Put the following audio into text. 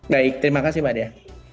baik terima kasih mbak dea